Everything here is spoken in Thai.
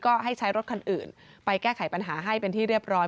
ก็ให้ใช้รถคันอื่นไปแก้ไขปัญหาให้เป็นที่เรียบร้อย